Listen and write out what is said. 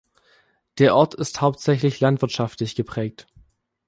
Der Ort ist hauptsächlich landwirtschaftlich geprägt.